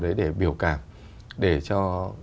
để biểu cảm để cho